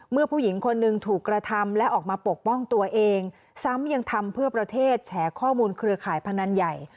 ผู้หญิงคนหนึ่งถูกกระทำและออกมาปกป้องตัวเองซ้ำยังทำเพื่อประเทศแฉข้อมูลเครือข่ายพนันใหญ่